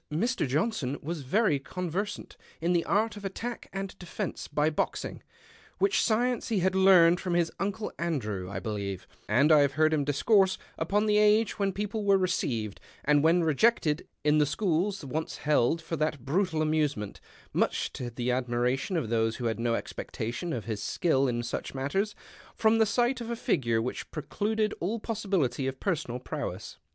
JOHNSON AT THE STADIUM " Mr. Johnson was very conversant in the art of attack and defence by boxing, which science he had learned from his uncle Andrew, I believe ; and I have heard him discourse upon the age when people were received, and when rejected, in the schools once held for that brutal amusement, much to the admiration of those who had no expectation of his skill in such matters, from the sight of a figure which precluded all possibility of personal prowess."